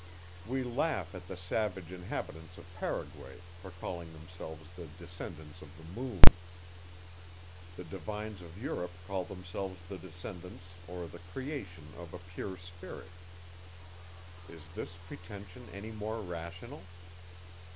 We laugh at the savage inhabitants of Paraguay, for calling themselves the descendants of the moon. The divines of Europe call themselves the descendants, or the creation, of a pure spirit. Is this pretension any more rational?